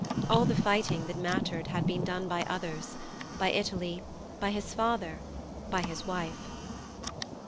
All the fighting that mattered had been done by others—by Italy, by his father, by his wife.